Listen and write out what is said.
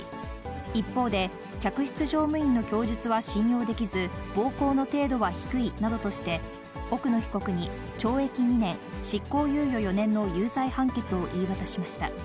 一方で、客室乗務員の供述は信用できず、暴行の程度は低いなどとして、奥野被告に懲役２年執行猶予４年の有罪判決を言い渡しました。